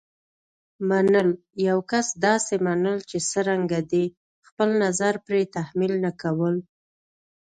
منل: یو کس داسې منل چې څرنګه دی. خپل نظر پرې تحمیل نه کول.